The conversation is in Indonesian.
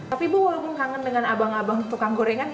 tapi ibu walaupun kangen dengan abang abang tukang gorengan